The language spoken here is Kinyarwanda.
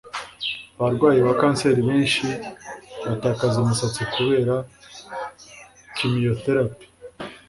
Abarwayi ba kanseri benshi batakaza umusatsi kubera chimiotherapie